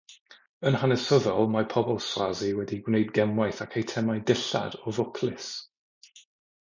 Yn hanesyddol, mae pobl Swazi wedi gwneud gemwaith ac eitemau dillad o fwclis.